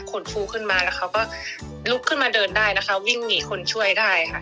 คนฟูขึ้นมาแล้วเขาก็ลุกขึ้นมาเดินได้นะคะวิ่งหนีคนช่วยได้ค่ะ